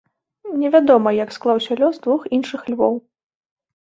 Не вядома, як склаўся лёс двух іншых львоў.